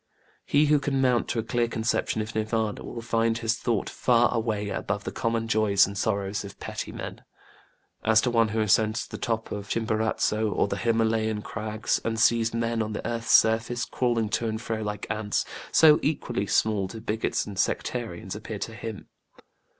He who can mount to a clear conception of NirvÄnĖĢa will find his thought far away above the common joys and sorrows of petty men. As to one who ascends to the top of Chimborazo or the HimÄlayan crags, and sees men on the earth's surface crawling to and fro like ants, so equally small do bigots and sectarians appear to him.